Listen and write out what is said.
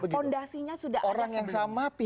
iya fondasinya sudah ada sebelum pemilu